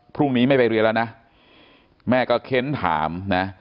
พรุ่งนี้ไม่ไปเรียนแล้วนะแม่ก็เค้นถามนะ